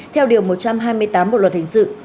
theo điều một trăm hai mươi tám bộ luật hình sự